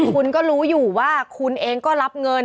คุณก็รู้อยู่ว่าคุณเองก็รับเงิน